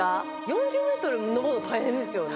４０ｍ上るの大変ですよね。